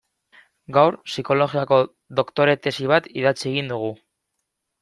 Gaur psikologiako doktore tesi bat idatzi egingo dut.